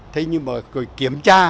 thế nhưng mà kiểm tra